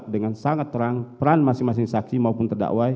dengan sangat terang peran masing masing saksi maupun terdakwa